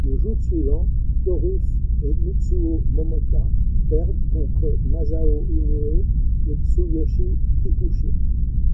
Le jour suivant, Thoruf et Mitsuo Momota perdent contre Masao Inoue et Tsuyoshi Kikuchi.